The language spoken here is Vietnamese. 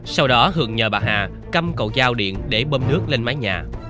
sau đó hường nhờ bà hà căm cậu dao điện để bơm nước lên mái nhà